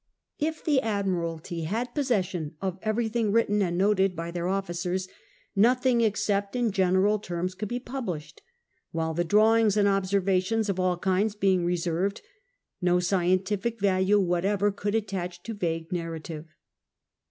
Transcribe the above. If the Admiralty had CHAP. XII END OF THE VOYAGE 173 possession of everything written and noted by their officers, nothing except in general terms could be pub lished ; while, the drawings and observations of all kinds being reserved, no scientific value whatever could attach to vague narrative.